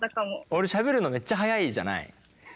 俺しゃべるのめっちゃ速いじゃない？